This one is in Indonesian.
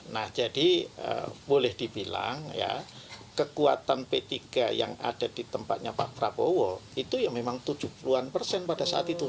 nah jadi boleh dibilang ya kekuatan p tiga yang ada di tempatnya pak prabowo itu ya memang tujuh puluh an persen pada saat itu